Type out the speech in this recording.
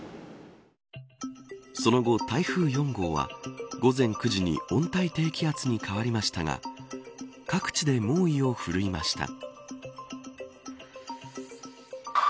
その後、台風４号は午前９時に温帯低気圧に変わりましたが各地で猛威を振るいました。